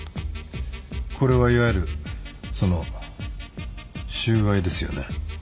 これはいわゆるその収賄ですよね？